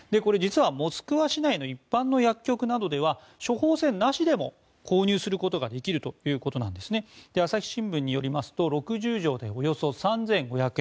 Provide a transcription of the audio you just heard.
実はモスクワ市内の一般の薬局などでは処方箋なしでも購入することができるということで朝日新聞によりますと６０錠でおよそ３５００円。